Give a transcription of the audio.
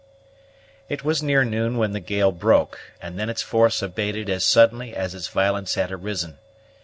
It was near noon when the gale broke; and then its force abated as suddenly as its violence had arisen.